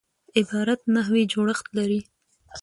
عبارت نحوي جوړښت لري.